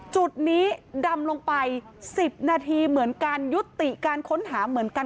จุดนี้ดำลงไป๑๐นาทีเหมือนการยุติการค้นหาเหมือนกัน